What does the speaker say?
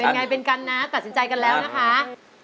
เป็นไงเป็นกันนะตัดสินใจกันแล้วนะคะ